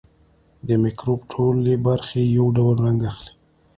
د مکروب ټولې برخې یو ډول رنګ اخلي.